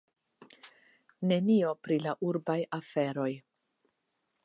Nenio pri la urbaj aferoj.